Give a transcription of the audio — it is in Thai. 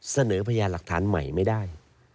พยานหลักฐานใหม่ไม่ได้